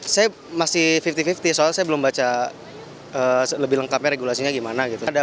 saya masih lima puluh lima puluh soal saya belum baca lebih lengkapnya regulasinya gimana gitu